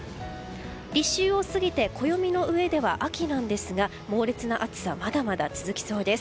立秋を過ぎて暦の上では秋なんですが猛烈な暑さまだまだ続きそうです。